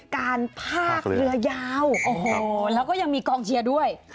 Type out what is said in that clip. การพากเรือยาวโอ้โหแล้วก็ยังมีกองเชียร์ด้วย